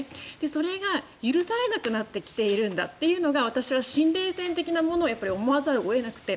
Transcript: それが許せられなくなってきているというのが私は新冷戦ということを思わざるを得なくて。